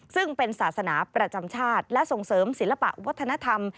ซึ่งเป็นศาสนาประจำชาติและส่งเสริมศิลปะวัฒนธรรม